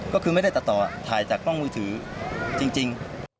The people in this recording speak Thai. ก็คือไม่ได้ตัดต่อถ่ายจากกล้องมือถือจริง